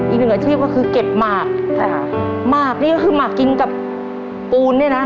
อีกหนึ่งอาชีพก็คือเก็บหมากใช่ค่ะหมากนี่ก็คือหมากกินกับปูนเนี่ยนะ